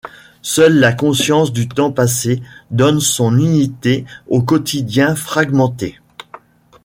Seule la conscience du temps passé donne son unité au quotidien fragmenté.